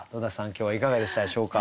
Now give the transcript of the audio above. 今日はいかがでしたでしょうか？